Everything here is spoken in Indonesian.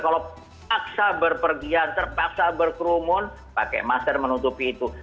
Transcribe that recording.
kalau paksa berpergian terpaksa berkerumun pakai masker menutupi itu